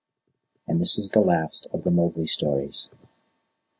And this is the last of the Mowgli stories.